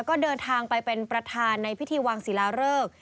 ก็เดินทางไปเป็นประธานในพิธีวางศิลาเริก